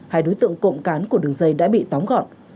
hai đối tượng cộng cán của đường dây đã bị tóm gọn